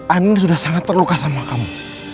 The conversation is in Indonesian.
anin sudah sangat terluka sama kamu